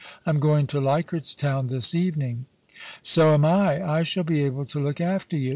I am going to Leichardt's Town this evening.^ *So am I. I shall be able to look after you.